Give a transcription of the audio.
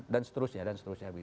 dan seterusnya dan seterusnya